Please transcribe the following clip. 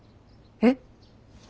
えっ！